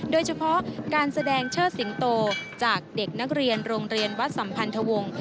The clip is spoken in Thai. โดยเฉพาะการแสดงเชิดสิงโตจากเด็กนักเรียนโรงเรียนวัดสัมพันธวงศ์